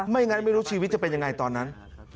ไม่อย่างไรไม่รู้ชีวิตจะเป็นอย่างไรตอนนั้น